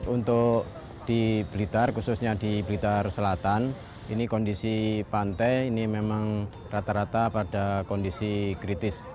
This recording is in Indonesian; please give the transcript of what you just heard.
untuk di blitar khususnya di blitar selatan ini kondisi pantai ini memang rata rata pada kondisi kritis